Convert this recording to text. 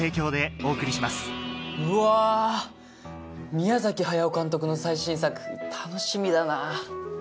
宮駿監督の最新作楽しみだな！